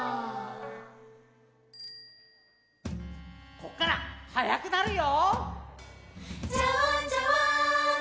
こっからはやくなるよ！